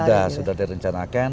sudah sudah direncanakan